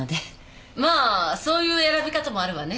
まあそういう選び方もあるわね。